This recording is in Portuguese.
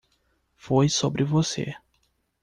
Foi sobre você.